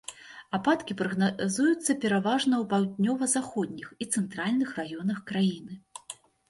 Ападкі прагназуюцца пераважна ў паўднёва-заходніх і цэнтральных раёнах краіны.